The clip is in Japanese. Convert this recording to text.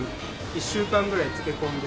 １週間ぐらい漬け込んで。